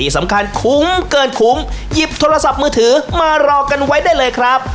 สำคัญคุ้มเกินคุ้มหยิบโทรศัพท์มือถือมารอกันไว้ได้เลยครับ